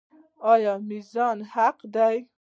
آیا میزان حق دی؟